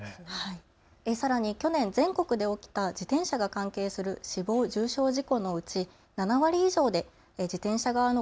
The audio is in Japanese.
さらに去年、全国で起きた自転車が関係する死亡・重傷事故のうち、７割以上で自転車側の